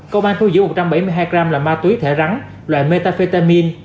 công an thu giữ một trăm bảy mươi hai gram là ma túy thể rắn loại metafetamin